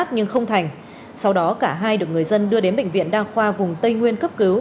nhưng không thành sau đó cả hai được người dân đưa đến bệnh viện đa khoa vùng tây nguyên cấp cứu